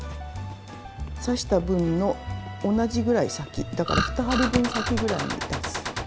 刺した分の同じぐらい先だから２針分先ぐらいに出す。